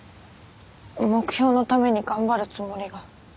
目標のために頑張るつもりが。